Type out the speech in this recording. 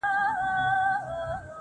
څنگه بيلتون كي گراني شعر وليكم_